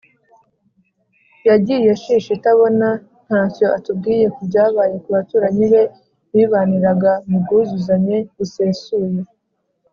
yagiye shishi itabona ntacyo atubwiye ku byabaye ku baturanyi be bibaniraga mu bwuzuzanye busesuye